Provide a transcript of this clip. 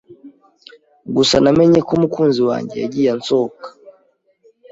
Gusa namenye ko umukunzi wanjye yagiye ansohoka.